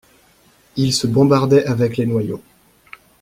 Ils se bombardaient avec les noyaux.